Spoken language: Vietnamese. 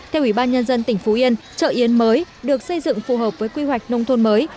theo ủy ban nhân dân tỉnh phú yên chợ yến mới được xây dựng phù hợp với quy hoạch nông thôn mới